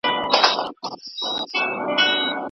تاسي پخلا سواست .